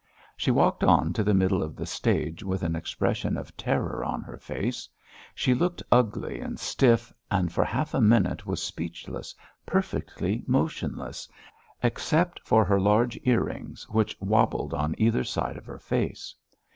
She walked on to the middle of the stage with an expression of terror on her face; she looked ugly and stiff, and for half a minute was speechless, perfectly motionless, except for her large earrings which wabbled on either side of her face.